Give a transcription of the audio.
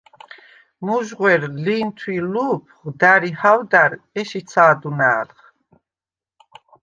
მუჟღუ̂ერ, ლინთუ̂ ი ლუფხუ̂ და̈რ ი ჰაუ̂და̈რ ეშ იცა̄დუნა̄̈ლხ.